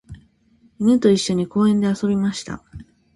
犬と一緒に公園で遊びました。